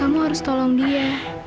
kamu harus tolong dia